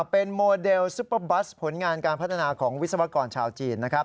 เป็นโมเดลซุปเปอร์บัสผลงานการพัฒนาของวิศวกรชาวจีนนะครับ